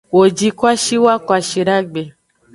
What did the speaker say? Wo ji kwashiwa kwashidagbe.